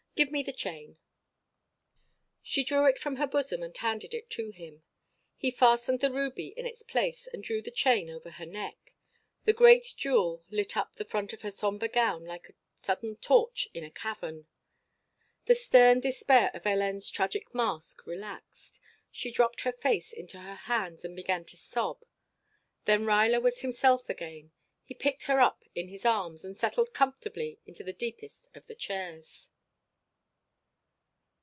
Give me the chain." She drew it from her bosom and handed it to him. He fastened the ruby in its place and threw the chain over her neck. The great jewel lit up the front of her somber gown like a sudden torch in a cavern. The stern despair of Hélène's tragic mask relaxed. She dropped her face into her hands and began to sob. Then Ruyler was himself again. He picked her up in his arms and settled comfortably into the deepest of the chairs.